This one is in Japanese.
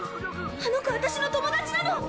あの子私の友達なの！